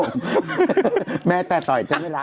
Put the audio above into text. ครับผมแม้แต่ต่อยจะไม่รัก